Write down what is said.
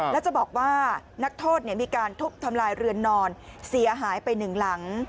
แล้วจะบอกว่านักโทษมีการทุบทำลายเรือนนอนเสียหายไปหนึ่งหลัง